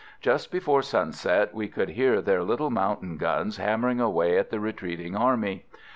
Just before sunset we could hear their little mountain guns hammering away at the retreating army.